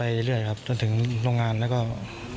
พี่เขาลงมาจากรถ